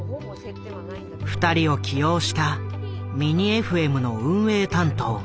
二人を起用したミニＦＭの運営担当